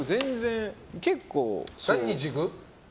何日いく？